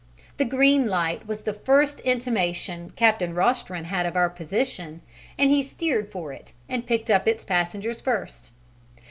The green light was the first intimation Captain Rostron had of our position, and he steered for it and picked up its passengers first.